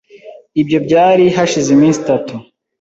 Ibyo byari hashize iminsi itatu.